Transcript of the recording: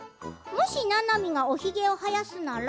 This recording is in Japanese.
もし、ななみがおひげを生やすなら